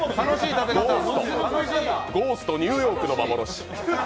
ゴーストニューヨークの幻。